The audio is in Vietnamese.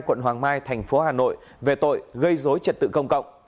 quận hoàng mai thành phố hà nội về tội gây dối trật tự công cộng